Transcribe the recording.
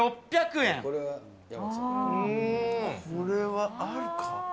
これはあるか？